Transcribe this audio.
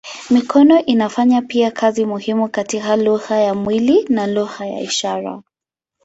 Mikono inafanya pia kazi muhimu katika lugha ya mwili na lugha ya ishara.